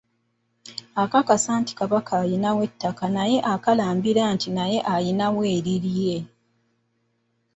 Akakasa nti Kabaka alinawo ettaka naye era akalambira nti naye alinawo erirye.